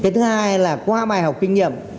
thứ hai là qua bài học kinh nghiệm